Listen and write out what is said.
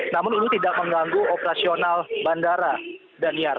namun ini tidak mengganggu operasional bandara dan niat